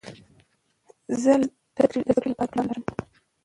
زه د زده کړې له پاره پلان لرم.